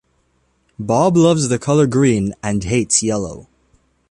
Bob loves the color green and hates yellow.